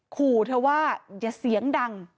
ขู่เธอว่าอย่าเสียงดัง